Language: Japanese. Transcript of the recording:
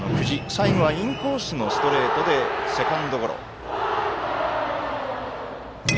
最後はインコースのストレートでセカンドゴロ。